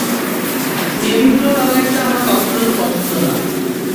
Navy blue রঙেরটা আমার কখনোই পছন্দ না।